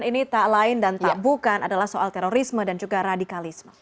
ini tak lain dan tak bukan adalah soal terorisme dan juga radikalisme